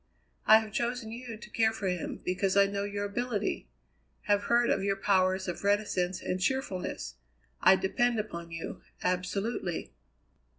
I have chosen you to care for him, because I know your ability; have heard of your powers of reticence and cheerfulness. I depend upon you absolutely."